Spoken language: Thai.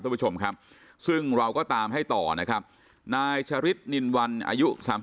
คุณผู้ชมครับซึ่งเราก็ตามให้ต่อนะครับนายชะริดนินวันอายุ๓๐